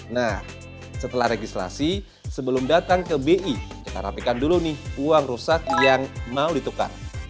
nah setelah registrasi sebelum datang ke bi kita rapikan dulu nih uang rusak yang mau ditukar